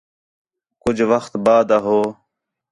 کُج وخت بعدا ہو